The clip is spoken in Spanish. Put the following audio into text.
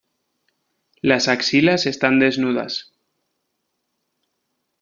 Las axilas están desnudas.